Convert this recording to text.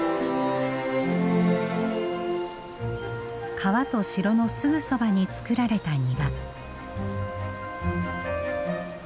川と城のすぐそばに作られた庭。